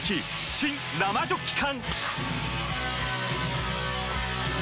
新・生ジョッキ缶！